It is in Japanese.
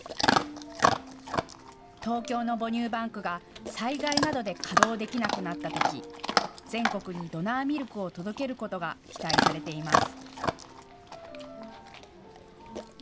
東京の母乳バンクが災害などで稼働できなくなったとき全国にドナーミルクを届けることが期待されています。